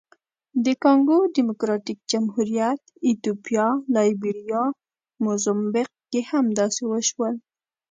د کانګو ډیموکراتیک جمهوریت، ایتوپیا، لایبیریا، موزمبیق کې هم داسې وشول.